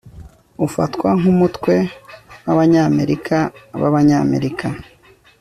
ufatwa nkumutwe wAbanyamerika bAbanyamerika